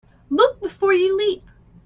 Look before you leap.